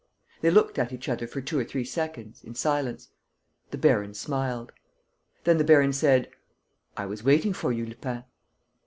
They looked at each other for two or three seconds, in silence. The baron smiled. Then the baron said: "I was waiting for you, Lupin."